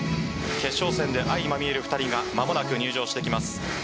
決勝戦であいまみえる２人が間もなく入場してきます。